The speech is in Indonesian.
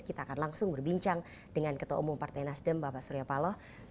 kita akan langsung berbincang dengan ketua umum partai nasdem bapak surya paloh